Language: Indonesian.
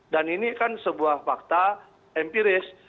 dan ini kan sebuah fakta empiris